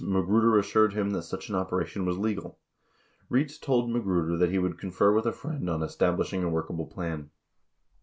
18 S assured him that such an operation was legal. Rietz told Magruder that he would confer with a friend on establishing a workable plan.